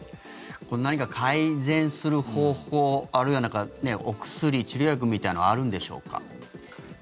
何か改善する方法あるいはお薬治療薬みたいなのはあるんでしょうか？